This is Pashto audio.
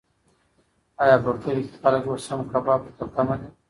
ایا په کلي کې خلک اوس هم کباب ته په تمه دي؟